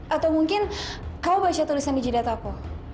atau mungkin kamu baca tulisan di jeda tapo